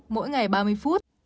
mỗi ngày ba mươi phút